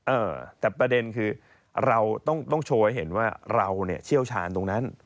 เออแต่ประเด็นคือเราต้องโชว์ให้เห็นว่าเราเนี่ยเชี่ยวชาญตรงนั้น